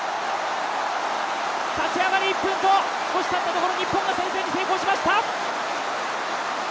立ち上がり１分と少したったところ日本が先制に成功しました！